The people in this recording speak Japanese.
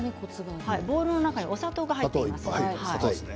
ボウルの中にお砂糖が入っています。